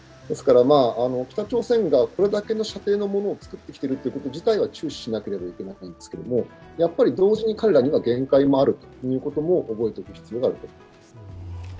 ですから、北朝鮮がこれだけの射程のものを作っているということ自体は注視しなければいけないんですけど、同時に彼らには限界もあるということを覚えておく必要があると思います。